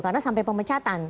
karena sampai pemecatan